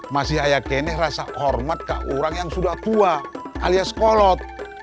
masih ayah keneh rasa hormat ke orang yang sudah tua alias kolot